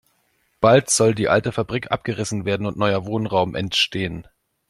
Bald soll die alte Fabrik abgerissen werden und neuer Wohnraum entstehen.